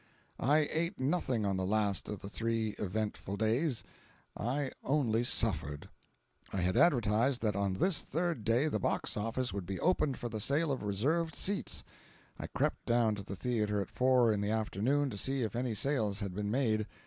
I ate nothing on the last of the three eventful days—I only suffered. I had advertised that on this third day the box office would be opened for the sale of reserved seats. I crept down to the theater at four in the afternoon to see if any sales had been made.